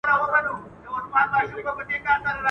o يا دي مريى کړی نه واى، يا دي پوهولی نه واى.